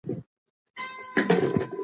هر غړی جلا ګړۍ لري.